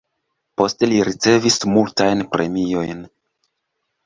Poste li ricevis multajn premiojn.